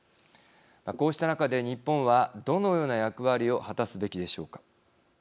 こうした中で日本はどのような役割を果たすべきでしょうか。